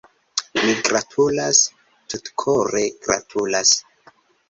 Mi gratulas, tutkore gratulas.